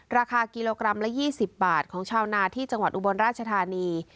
ราคากิโลกรัมละ๒๐บาทของชาวนาที่จังหวัดอุบลราชธานี